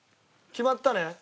決まったね？